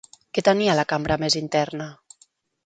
Què tenia la cambra més interna?